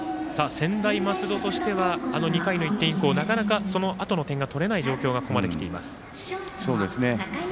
専大松戸としては２回の１点以降なかなか、そのあとの点が取れない状況でここまできています。